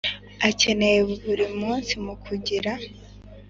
Akeneye buri munsi m kugira